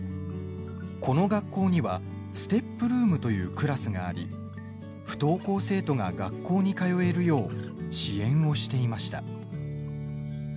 この学校にはＳＴＥＰルームというクラスがあり不登校生徒が学校に通えるよう支援をしていました。